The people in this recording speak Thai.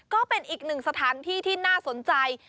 ก็เป็นอีกหนึ่งสถานที่ที่น่าสนใจ